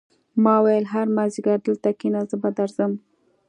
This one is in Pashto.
ما وویل هر مازدیګر دلته کېنه زه به درځم